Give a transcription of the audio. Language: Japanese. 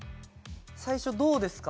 最初どうですか？